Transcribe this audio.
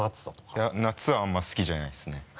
いや夏はあんまり好きじゃないですね。